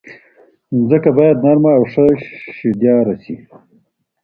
ځمکه باید نرمه او ښه شدیاره شي.